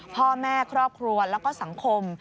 พ่อแม่ครอบครัวแล้วก็สังคม